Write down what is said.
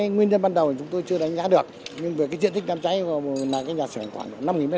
nguyên nhân ban đầu chúng tôi chưa đánh giá được nhưng với cái diện tích đám cháy là cái nhà sửa khoảng năm m hai